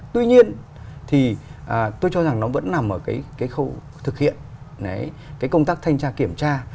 tuy nhiên tôi cho rằng nó vẫn nằm ở khâu thực hiện công tác thanh tra kiểm tra